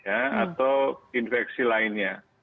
atau infeksi lainnya